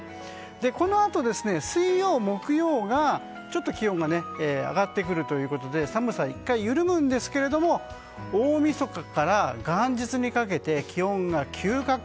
このあと水曜、木曜がちょっと気温が上がってくるということで寒さ、１回ゆるむんですが大みそかから元日にかけて気温が急下降。